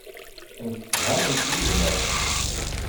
Msefhament yid-neɣ.